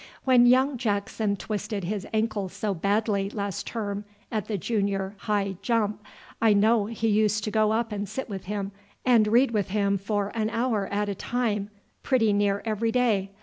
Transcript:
"When young Jackson twisted his ankle so badly last term at the junior high jump, I know he used to go up and sit with him, and read with him for an hour at a time pretty near every day.